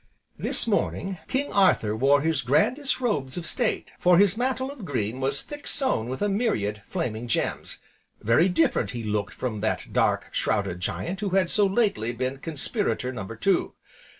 This morning, "King Arthur" wore his grandest robes of state, for his mantle of green was thick sewn with a myriad flaming gems; very different he looked from that dark, shrouded giant who had so lately been Conspirator No. Two.